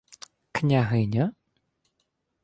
— Княгиня?